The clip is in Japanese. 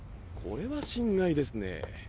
これは心外ですねぇ。